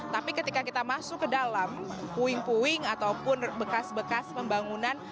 tapi ketika kita masuk ke dalam puing puing ataupun bekas bekas pembangunan